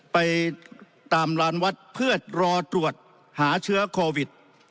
ไปตามลานวัดเพื่อรอตรวจหาเชื้อโควิด